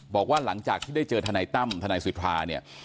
บอกว่าหลังจากที่ได้เจอทนายตั้มทนายสิทธาเนี่ย